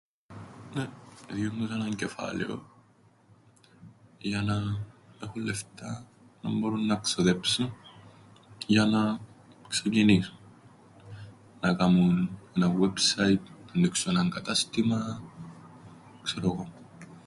Διούν τους έναν κεφάλαιον, για να έχουν λεφτά να μπόρουν να ξοδέψουν, για να ξεκινήσουν. Να κάμουν έναν website, ν' αννοίξουν έναν κατάστημαν, ξέρω 'γω.